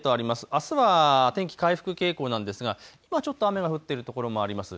あすは天気、回復傾向ですが今ちょっと降っているところもあります。